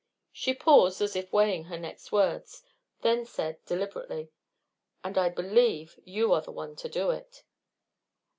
She paused as if weighing her next words, then said, deliberately: "And I believe you are the one to do it."